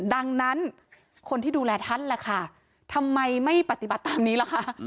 ดังนั้นคนที่ดูแลท่านล่ะค่ะทำไมไม่ปฏิบัติตามนี้ล่ะคะ